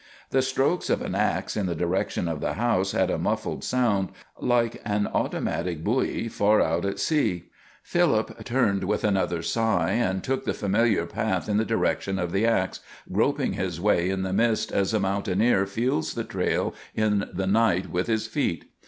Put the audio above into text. The strokes of an ax in the direction of the house had a muffled sound, like an automatic buoy far out at sea. Philip turned with another sigh, and took the familiar path in the direction of the ax, groping his way in the mist as a mountaineer feels the trail in the night with his feet.